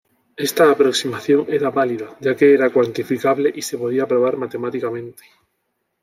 Esta aproximación era válida ya que era cuantificable y se podía probar matemáticamente.